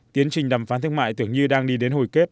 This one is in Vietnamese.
tiến trình đàm phán thương mại tưởng như đang đi đến hồi kết